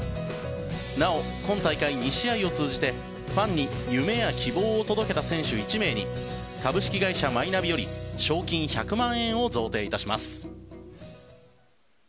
なお、今大会２試合を通じてファンに夢や希望を届けた選手１名に株式会社マイナビより賞金１００万円を贈呈いたします。